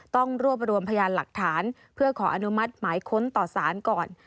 ต้องรวบรวมพยานหลักฐานเพื่อขออนุมัติหมายค้นต่อสารก่อน